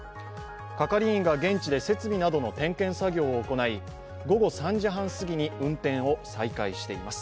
係員が現地で設備などの点検作業を行い午後３時半すぎに運転を再開しています。